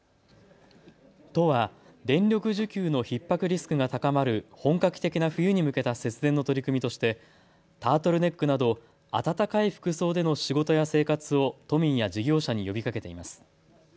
都は電力需給のひっ迫リスクが高まる本格的な冬に向けた節電の取り組みとしてタートルネックなど暖かい服装での仕事や生活を都民や事業者に呼びかけています。